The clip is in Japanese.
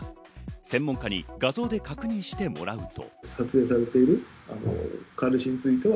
専門家に画像で確認してもらうと。